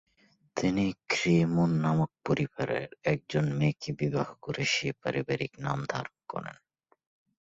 তিনি খ্রি-স্মোন নামক পরিবারের একজন মেয়েকে বিবাহ করে সেই পারিবারিক নাম ধারণ করেন।